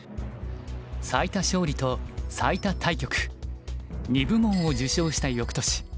最多勝利と最多対局２部門を受賞した翌年。